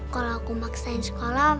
kalau aku maksain sekolah